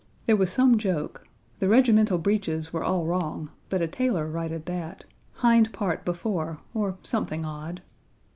1 There was some joke. The regimental breeches were all wrong, but a tailor righted that hind part before, or something odd.